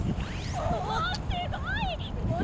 おすごいっ！